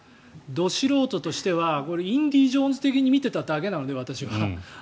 ど素人としては「インディ・ジョーンズ」的に見ていただけなので、私は。